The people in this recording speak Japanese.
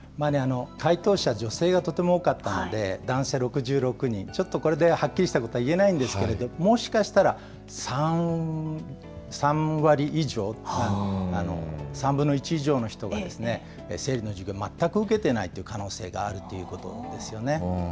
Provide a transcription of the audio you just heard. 回答者、女性がとても多かったので、男性６６人、ちょっとこれではっきりしたことは言えないんですけれども、もしかしたら３割以上、３分の１以上の人が生理の授業、全く受けていないという可能性があるということですよね。